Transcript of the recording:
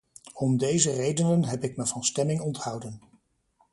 Om deze redenen heb ik me van stemming onthouden.